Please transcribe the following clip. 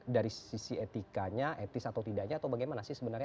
dari sisi etikanya etis atau tidaknya atau bagaimana sih sebenarnya